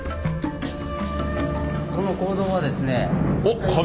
この坑道はですね。